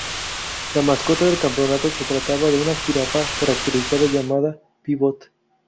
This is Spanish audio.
La mascota del campeonato se trataba de una jirafa caracterizada llamada "Pívot".